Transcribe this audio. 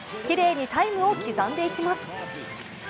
きれいにタイムを刻んでいきます。